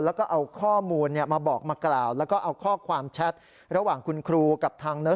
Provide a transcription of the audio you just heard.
แล้วก็เอาข้อมูลมาบอกมากล่าวแล้วก็เอาข้อความแชท